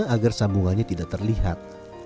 agar sambungannya tidak terlihat